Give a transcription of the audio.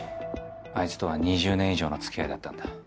あいつとは２０年以上の付き合いだったんだ。